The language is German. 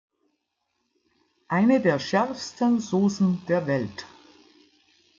Eine der schärfsten Saucen der Welt.